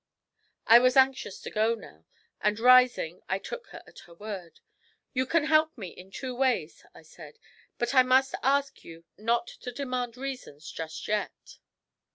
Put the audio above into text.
I was anxious to go now, and, rising, I took her at her word. 'You can help me in two ways,' I said, 'but I must ask you not to demand reasons just yet.'